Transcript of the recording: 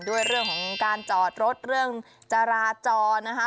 ด้วยเรื่องของการจอดรถเรื่องจราจรนะคะ